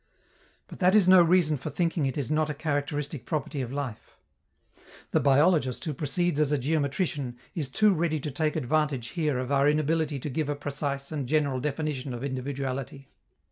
But that is no reason for thinking it is not a characteristic property of life. The biologist who proceeds as a geometrician is too ready to take advantage here of our inability to give a precise and general definition of individuality.